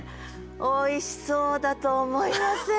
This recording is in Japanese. おいしそうだと思いません？